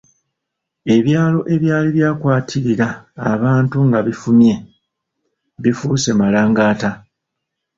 Ebyalo ebyali byakwatirira abantu nga bifumye, bifuuse malangaata.